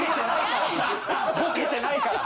・ボケてないから！